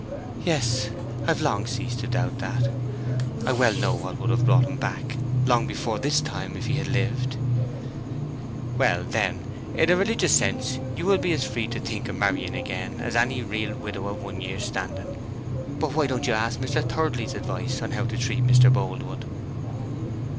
"Yes—I've long ceased to doubt that. I well know what would have brought him back long before this time if he had lived." "Well, then, in a religious sense you will be as free to think o' marrying again as any real widow of one year's standing. But why don't ye ask Mr. Thirdly's advice on how to treat Mr. Boldwood?"